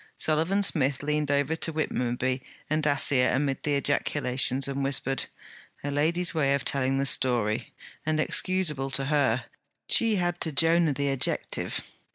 Sullivan Smith leaned over to Whitmonby and Dacier amid the ejaculations, and whispered: 'A lady's way of telling the story! and excuseable to her: she had to Jonah the adjective.